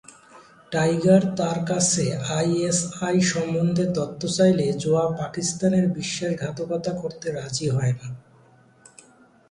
Tiger তার কাছে ISI সম্বন্ধে তথ্য চাইলে জোয়া পাকিস্তানের বিশ্বাসঘাতকতা করতে রাজি হয়না।